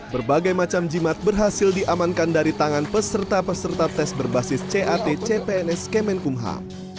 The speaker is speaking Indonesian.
berbagai macam jimat berhasil diamankan dari tangan peserta peserta tes berbasis cat cpns kemenkumham